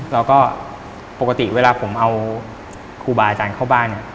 เราก็ปกติเวลาผมเอาครูบาอาจารย์เข้าบ้าน